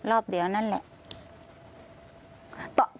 รอบเดียวนั่นแหละ